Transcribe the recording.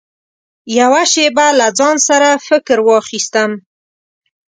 يوه شېبه له ځان سره فکر واخيستم .